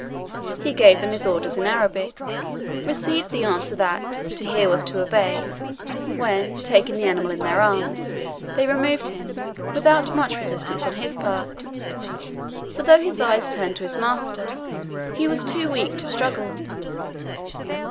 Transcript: He gave them his orders in Arabic, received the answer that "to hear was to obey," when, taking the animal in their arms, they removed him, without much resistance on his part; for though his eyes turned to his master, he was too weak to struggle.